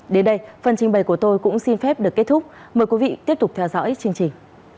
đến đây phần trình bày của tôi cũng xin phép được kết thúc mời quý vị tiếp tục theo dõi chương trình